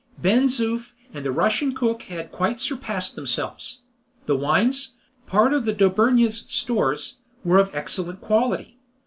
Ben Zoof and the Russian cook had quite surpassed themselves. The wines, part of the Dobryna's stores, were of excellent quality.